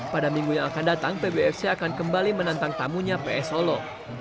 pada minggu yang akan datang pbfc akan kembali menantang tamunya ps solo